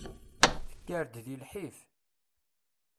Tekker-d di lḥif.